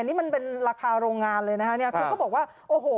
นี่มันเป็นราคาโรงงานเลยนะคะเนี่ยคือเขาบอกว่าโอ้โห